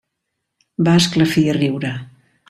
Va esclafir a riure.